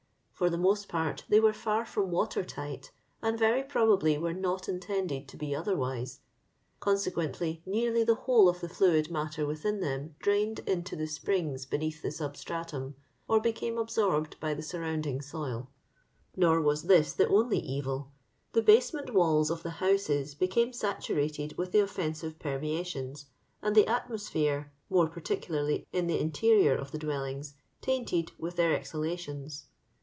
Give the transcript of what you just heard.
For the mos( part they were far from water tight, and very probably were not intended to he otliorwise. ConsequenUy, nearly the whole of the tluid matter within them drained into the springs beneath the substratum, or become absorbed by the surrounding soiL Nor was this the only evil : the basement walls of the houses became saturated with the oflfensive permea tions, and the atmosphere, more pardculu iy in the interior of the dwellings, tainted with their exhalations.